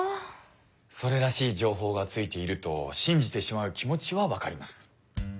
それらしい情報がついていると信じてしまう気持ちはわかります。